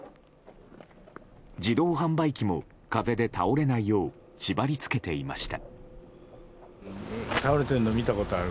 自動販売機も風で倒れないよう縛り付けていました。